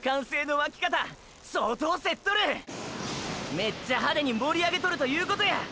メッチャ派手に盛り上げとるということや！！